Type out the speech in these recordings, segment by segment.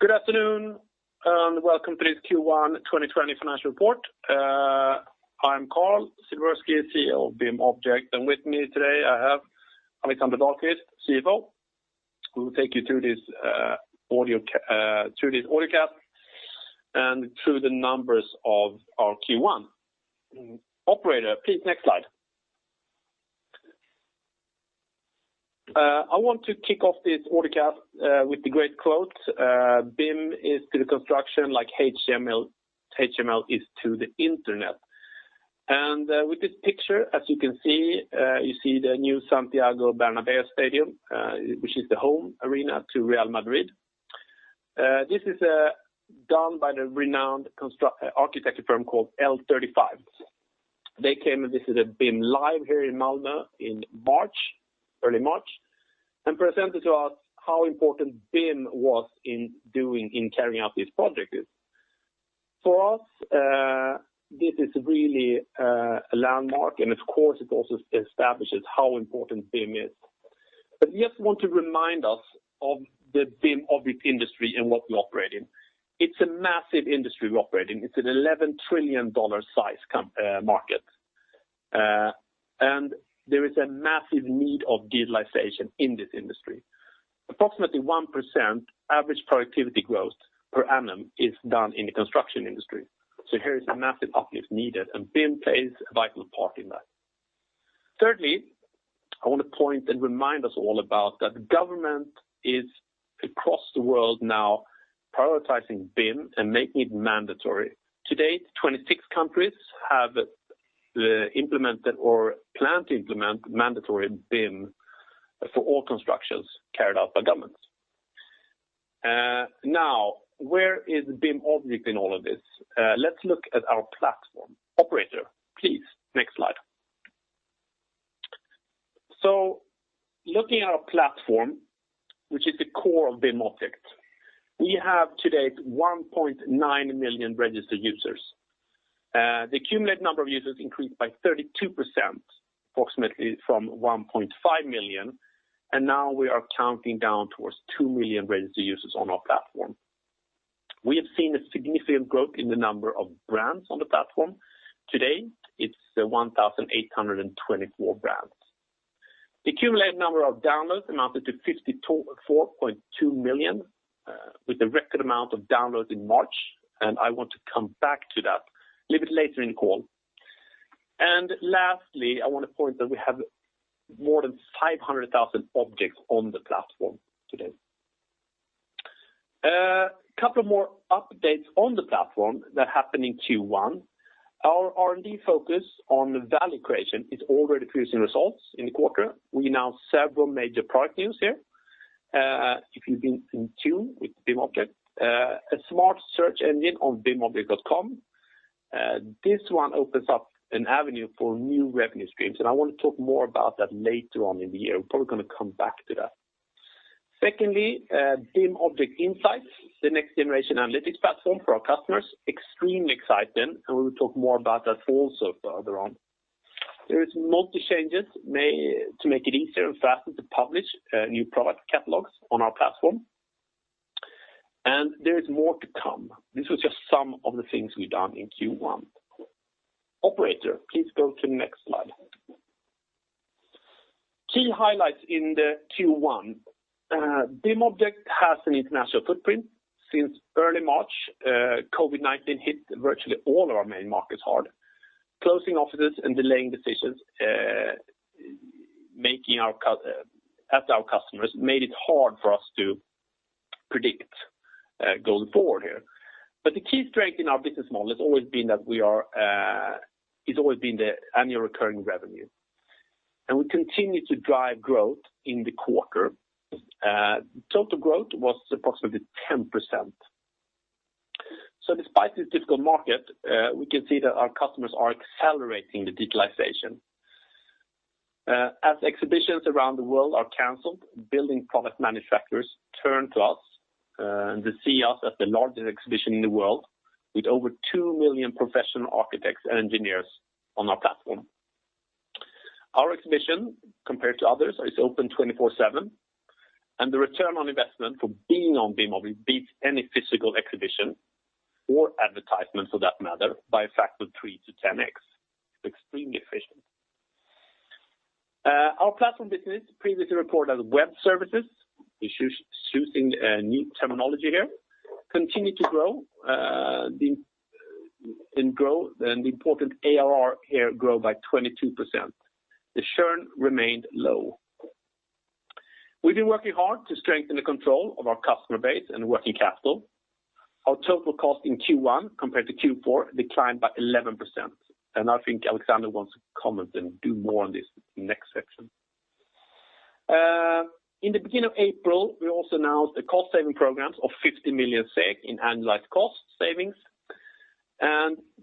Good afternoon, and welcome to this Q1 2020 financial report. I'm Carl Silbersky, CEO of BIMobject, with me today, I have Alexander Dahlquist, CFO, who will take you through this audiocast and through the numbers of our Q1. Operator, please, next slide. I want to kick off this audiocast with a great quote, "BIM is to construction like HTML is to the Internet." With this picture, as you can see, you see the new Santiago Bernabeu Stadium, which is the home arena to Real Madrid. This is done by the renowned architecture firm called L35. They came and visited BIM Live here in Malmö in early March and presented to us how important BIM was in carrying out these projects. For us, this is really a landmark, and of course, it also establishes how important BIM is. I just want to remind us of the BIMobject industry and what we operate in. It's a massive industry we operate in. It's an SEK 11 trillion size market. There is a massive need of digitalization in this industry. Approximately 1% average productivity growth per annum is done in the construction industry. Here is a massive uplift needed, and BIM plays a vital part in that. Thirdly, I want to point and remind us all about that the government is, across the world now, prioritizing BIM and making it mandatory. To date, 26 countries have implemented or plan to implement mandatory BIM for all constructions carried out by governments. Where is BIMobject in all of this? Let's look at our platform. Operator, please, next slide. Looking at our platform, which is the core of BIMobject, we have to date 1.9 million registered users. The cumulative number of users increased by 32%, approximately, from 1.5 million, now we are counting down towards 2 million registered users on our platform. We have seen a significant growth in the number of brands on the platform. Today, it's 1,824 brands. The cumulative number of downloads amounted to 54.2 million, with a record amount of downloads in March, I want to come back to that a little bit later in the call. Lastly, I want to point that we have more than 500,000 objects on the platform today. A couple more updates on the platform that happened in Q1. Our R&D focus on value creation is already producing results in the quarter. We announced several major product news here. If you've been in tune with BIMobject, a smart search engine on bimobject.com, this one opens up an avenue for new revenue streams, I want to talk more about that later on in the year. We're probably going to come back to that. Secondly, BIMobject Insights, the next-generation analytics platform for our customers, extremely exciting, we will talk more about that also further on. There are multiple changes made to make it easier and faster to publish new product catalogs on our platform. There is more to come. This was just some of the things we've done in Q1. Operator, please go to the next slide. Key highlights in the Q1. BIMobject has an international footprint. Since early March, COVID-19 hit virtually all of our main markets hard, closing offices and delaying decisions at our customers, made it hard for us to predict going forward here. The key strength in our business model has always been the annual recurring revenue. We continue to drive growth in the quarter. Total growth was approximately 10%. Despite this difficult market, we can see that our customers are accelerating the digitalization. As exhibitions around the world are canceled, building product manufacturers turn to us and they see us as the largest exhibition in the world, with over 2 million professional architects and engineers on our platform. Our exhibition, compared to others, is open 24/7, and the return on investment for being on BIMobject beats any physical exhibition or advertisement, for that matter, by a factor of 3 to 10x. Extremely efficient. Our platform business, previously reported as web services, we're choosing a new terminology here, continued to grow. The important ARR here grow by 22%. The churn remained low. We've been working hard to strengthen the control of our customer base and working capital. Our total cost in Q1 compared to Q4 declined by 11%, and I think Alexander wants to comment and do more on this in the next section. In the beginning of April, we also announced the cost-saving programs of 50 million SEK in annualized cost savings.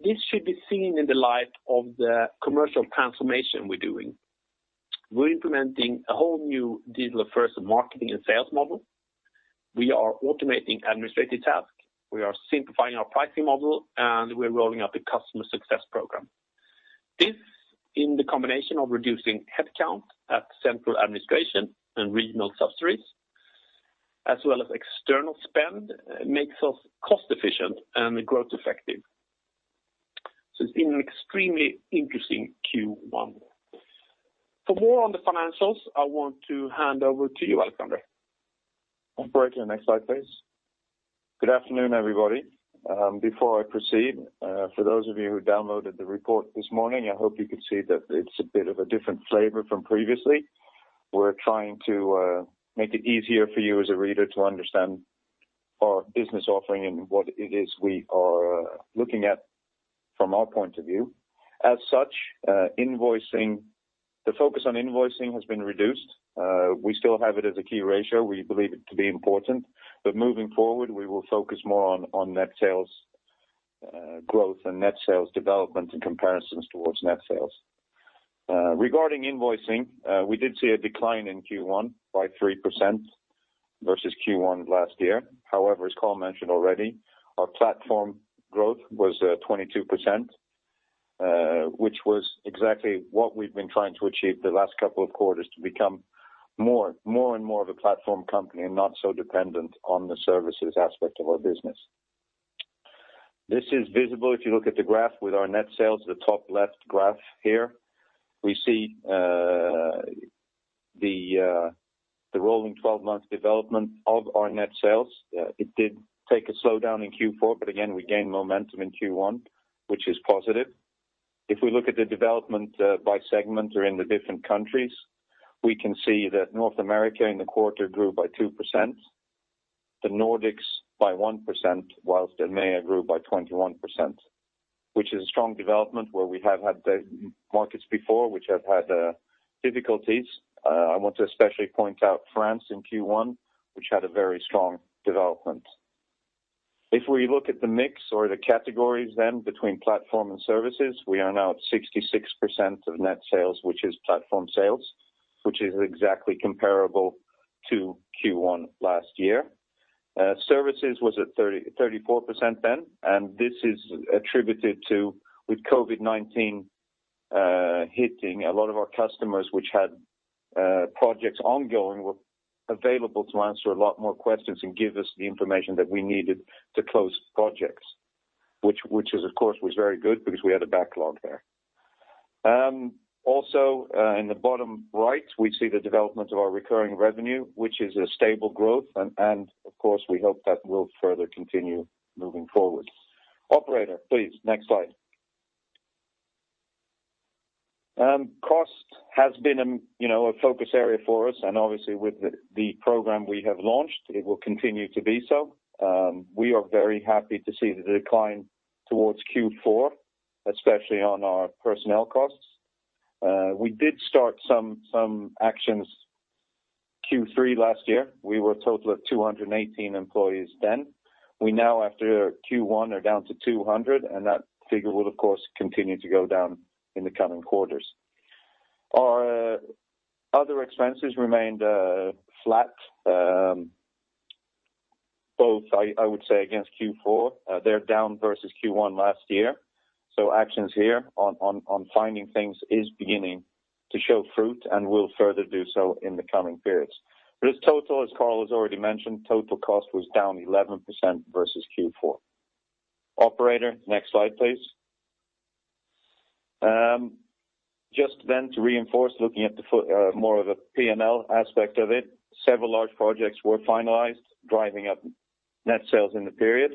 This should be seen in the light of the commercial transformation we're doing. We're implementing a whole new digital-first marketing and sales model. We are automating administrative tasks. We are simplifying our pricing model, and we're rolling out the customer success program. This, in the combination of reducing headcount at central administration and regional subsidiaries, as well as external spend, makes us cost-efficient and growth effective. It's been an extremely interesting Q1. For more on the financials, I want to hand over to you, Alexander. Operator, next slide, please. Good afternoon, everybody. Before I proceed, for those of you who downloaded the report this morning, I hope you could see that it's a bit of a different flavor from previously. We're trying to make it easier for you as a reader to understand our business offering and what it is we are looking at from our point of view. As such, the focus on invoicing has been reduced. We still have it as a key ratio. We believe it to be important, but moving forward, we will focus more on net sales growth and net sales development in comparisons towards net sales. Regarding invoicing, we did see a decline in Q1 by 3% versus Q1 last year. As Carl mentioned already, our platform growth was 22%, which was exactly what we've been trying to achieve the last couple of quarters to become more and more of a platform company and not so dependent on the services aspect of our business. This is visible if you look at the graph with our net sales, the top left graph here. We see the rolling 12-month development of our net sales. It did take a slowdown in Q4, but again, we gained momentum in Q1, which is positive. If we look at the development by segment or in the different countries, we can see that North America in the quarter grew by 2%, the Nordics by 1%, whilst EMEA grew by 21%, which is a strong development where we have had markets before which have had difficulties. I want to especially point out France in Q1, which had a very strong development. If we look at the mix or the categories then between platform and services, we are now at 66% of net sales, which is platform sales, which is exactly comparable to Q1 last year. Services was at 34% then, and this is attributed to, with COVID-19 hitting, a lot of our customers which had projects ongoing were available to answer a lot more questions and give us the information that we needed to close projects, which, of course, was very good because we had a backlog there. Also, in the bottom right, we see the development of our recurring revenue, which is a stable growth, and of course, we hope that will further continue moving forward. Operator, please, next slide. Cost has been a focus area for us, and obviously, with the program we have launched, it will continue to be so. We are very happy to see the decline towards Q4, especially on our personnel costs. We did start some actions Q3 last year. We were a total of 218 employees then. We now, after Q1, are down to 200, and that figure will, of course, continue to go down in the coming quarters. Our other expenses remained flat, both, I would say, against Q4. They're down versus Q1 last year. Actions here on finding things is beginning to show fruit and will further do so in the coming periods. As total, as Carl has already mentioned, total cost was down 11% versus Q4. Operator, next slide, please. Just then to reinforce, looking at more of a P&L aspect of it, several large projects were finalized, driving up net sales in the period.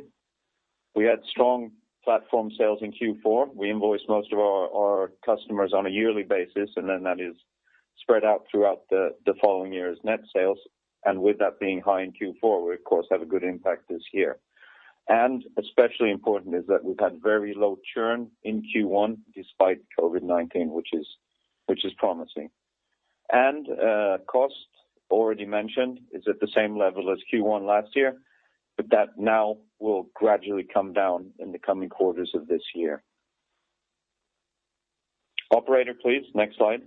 We had strong platform sales in Q4. We invoice most of our customers on a yearly basis, and then that is spread out throughout the following year as net sales. With that being high in Q4, we of course have a good impact this year. Especially important is that we've had very low churn in Q1 despite COVID-19, which is promising. Cost, already mentioned, is at the same level as Q1 last year, that now will gradually come down in the coming quarters of this year. Operator, please, next slide.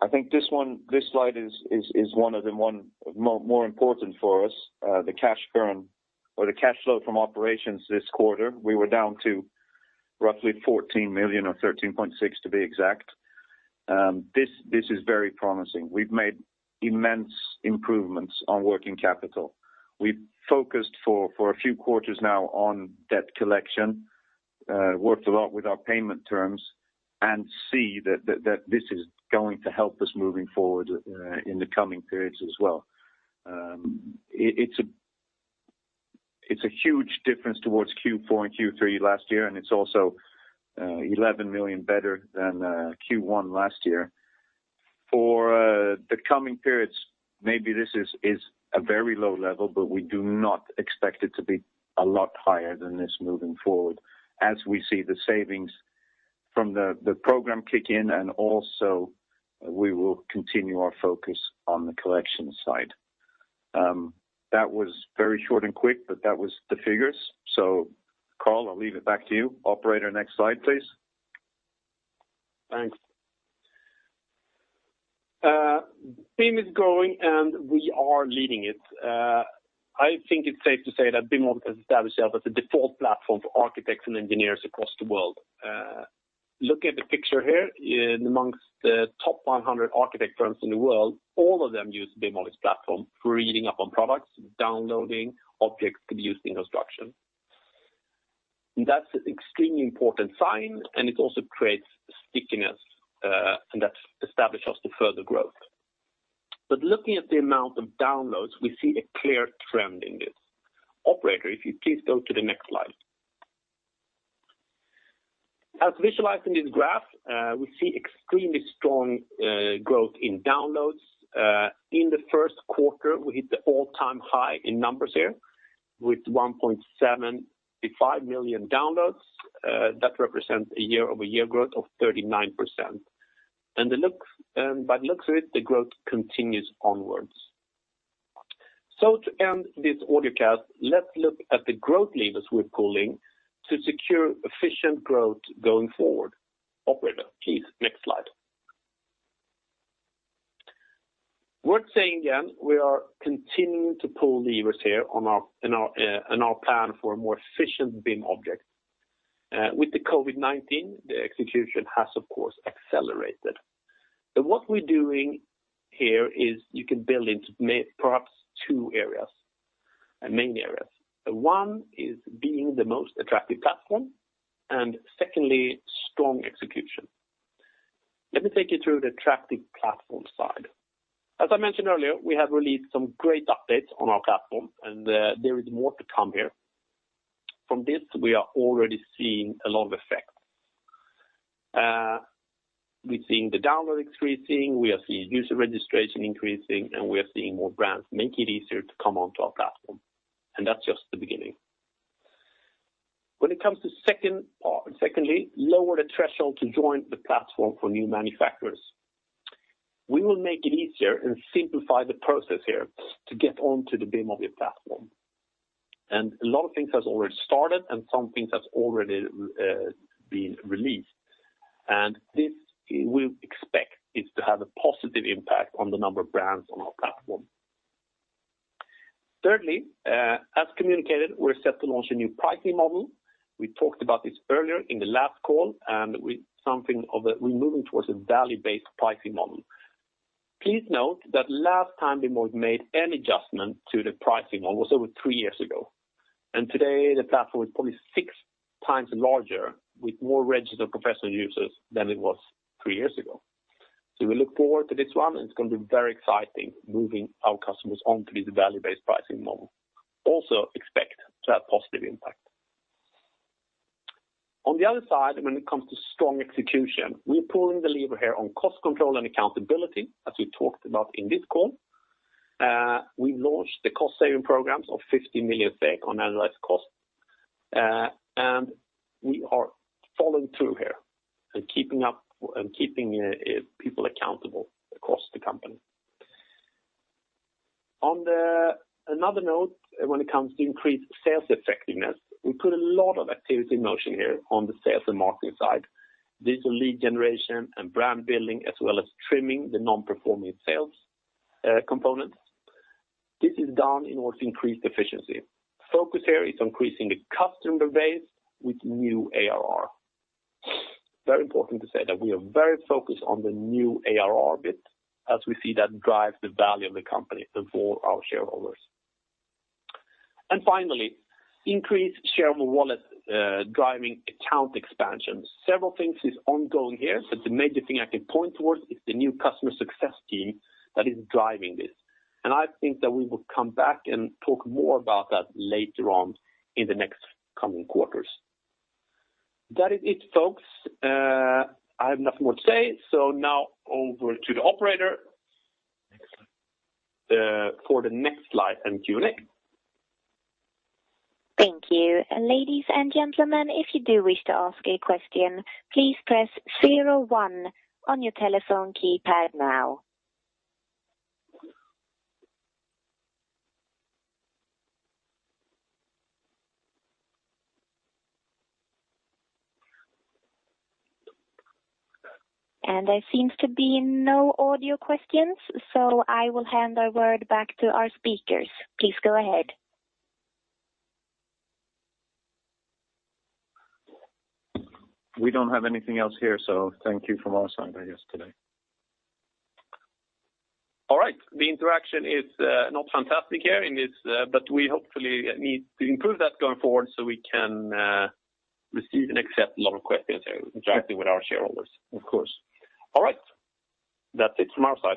I think this slide is more important for us, the cash burn or the cash flow from operations this quarter. We were down to roughly 14 million or 13.6 to be exact. This is very promising. We've made immense improvements on working capital. We focused for a few quarters now on debt collection, worked a lot with our payment terms, and see that this is going to help us moving forward in the coming periods as well. It's a huge difference towards Q4 and Q3 last year, and it's also 11 million better than Q1 last year. For the coming periods, maybe this is a very low level, but we do not expect it to be a lot higher than this moving forward as we see the savings from the program kick in, and also we will continue our focus on the collection side. That was very short and quick, but that was the figures. Carl, I'll leave it back to you. Operator, next slide, please. Thanks. BIM is growing. We are leading it. I think it's safe to say that BIMobject has established itself as the default platform for architects and engineers across the world. Look at the picture here. In amongst the top 100 architect firms in the world, all of them use BIMobject's platform for reading up on products, downloading objects to be used in construction. That's an extremely important sign. It also creates stickiness, and that establishes us to further growth. Looking at the amount of downloads, we see a clear trend in this. Operator, if you please go to the next slide. As visualized in this graph, we see extremely strong growth in downloads. In the first quarter, we hit the all-time high in numbers here, with 1.75 million downloads. That represents a year-over-year growth of 39%. By the looks of it, the growth continues onwards. To end this audio cast, let's look at the growth levers we're pulling to secure efficient growth going forward. Operator, please, next slide. Worth saying again, we are continuing to pull levers here on our plan for a more efficient BIMobject. With the COVID-19, the execution has, of course, accelerated. What we're doing here is you can build into perhaps two areas, main areas. One is being the most attractive platform, and secondly, strong execution. Let me take you through the attractive platform side. As I mentioned earlier, we have released some great updates on our platform, and there is more to come here. From this, we are already seeing a lot of effects. We're seeing the downloads increasing, we are seeing user registration increasing, and we are seeing more brands make it easier to come onto our platform, and that's just the beginning. When it comes to secondly, lower the threshold to join the platform for new manufacturers. We will make it easier and simplify the process here to get onto the BIMobject platform. A lot of things have already started, and some things have already been released. This, we expect it to have a positive impact on the number of brands on our platform. Thirdly, as communicated, we're set to launch a new pricing model. We talked about this earlier in the last call, and we're moving towards a value-based pricing model. Please note that last time BIMobject made any adjustment to the pricing model was over three years ago. Today, the platform is probably six times larger, with more registered professional users than it was three years ago. We look forward to this one, and it's going to be very exciting moving our customers onto this value-based pricing model. Also expect to have a positive impact. On the other side, when it comes to strong execution, we're pulling the lever here on cost control and accountability, as we talked about in this call. We launched the cost-saving programs of 50 million on annualized costs. We are following through here and keeping people accountable across the company. On another note, when it comes to increased sales effectiveness, we put a lot of activity in motion here on the sales and marketing side. This is lead generation and brand building, as well as trimming the non-performing sales components. This is done in order to increase efficiency. Focus here is increasing the customer base with new ARR. Very important to say that we are very focused on the new ARR bit, as we see that drives the value of the company for our shareholders. Finally, increase share of wallet driving account expansion. Several things are ongoing here, but the major thing I can point towards is the new customer success team that is driving this. I think that we will come back and talk more about that later on in the next coming quarters. That is it, folks. I have nothing more to say. Now over to the operator for the next slide and Q&A. Thank you. Ladies and gentlemen, if you do wish to ask a question, please press 01 on your telephone keypad now. There seems to be no audio questions, so I will hand the word back to our speakers. Please go ahead. We don't have anything else here, so thank you from our side, I guess, today. All right. The interaction is not fantastic here in this, but we hopefully need to improve that going forward so we can receive and accept a lot of questions here directly with our shareholders. Of course. All right. That's it from our side.